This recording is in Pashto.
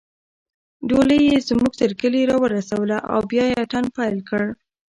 ډولۍ يې زموږ تر کلي راورسوله او بیا يې اتڼ پیل کړ